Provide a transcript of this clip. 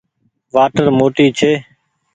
وآٽر موٽي ڇي۔